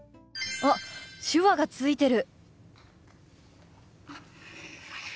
あっ手話がついてる！